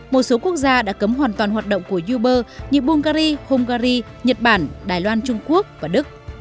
một số quốc gia đã cấm hoàn toàn hoạt động của uber như bungary hungary nhật bản đài loan trung quốc và đức